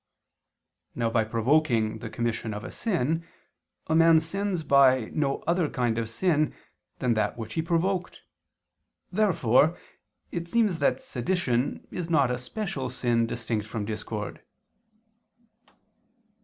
Now, by provoking the commission of a sin, a man sins by no other kind of sin than that which he provoked. Therefore it seems that sedition is not a special sin distinct from discord.